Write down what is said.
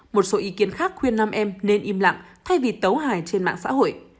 một số ý kiến khác khuyên nam em nên im lặng thay vì tấu hài trên mạng xã hội